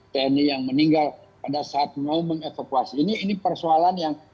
tni yang meninggal pada saat mau mengevakuasi ini persoalan yang